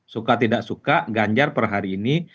suka tidak suka ganjar per hari ini